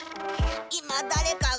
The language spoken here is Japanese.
今だれかが。